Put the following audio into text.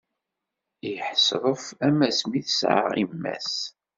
Iḥḥesref, am asmi i t-tesɛa imma-s.